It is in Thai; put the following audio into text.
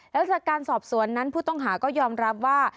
แล้วจากการสอบสวนนั้นผู้ต้องหาก็ยอมรับว่า